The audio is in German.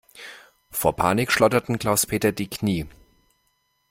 Vor Panik schlotterten Klaus-Peter die Knie.